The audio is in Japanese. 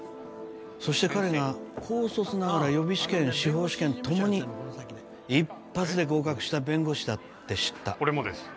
そして彼が高卒ながら予備試験司法試験ともに一発で合格した弁護士だって知った俺もです